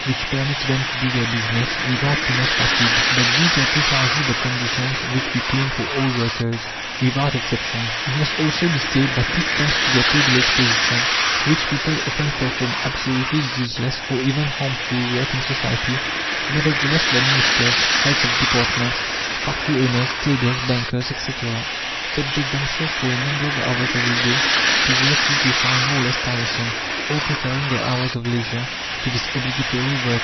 which permits them to do their business without too much fatigue. But these are precisely the conditions which we claim for all workers, without exception. It must also be said that if, thanks to their privileged position, rich people often perform absolutely useless or even harmful work in society, nevertheless the Ministers, Heads of Departments, factory owners, traders, bankers, etc., subject themselves for a number of hours every day to work which they find more or less tiresome, all preferring their hours of leisure to this obligatory work.